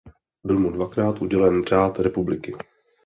Byl mu dvakrát udělen Řád republiky.